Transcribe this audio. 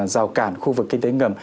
rào cản khu vực kinh tế ngầm